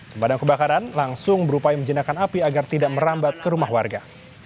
pemadam kebakaran langsung berupaya menjenakan api agar tidak merambat ke rumah warga